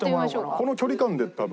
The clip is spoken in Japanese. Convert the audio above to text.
この距離感で多分。